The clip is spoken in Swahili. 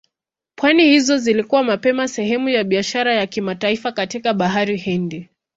Pwani hizo zilikuwa mapema sehemu ya biashara ya kimataifa katika Bahari Hindi.